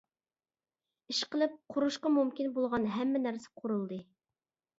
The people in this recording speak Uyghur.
ئىشقىلىپ قۇرۇشقا مۇمكىن بولغان ھەممە نەرسە قۇرۇلدى.